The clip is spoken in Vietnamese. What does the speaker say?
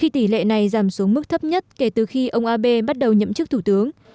tỷ lệ này giảm xuống mức thấp nhất kể từ khi ông abe bắt đầu nhậm chức thủ tướng